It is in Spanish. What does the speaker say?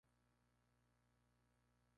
La abuela es muy activa y amante del deporte.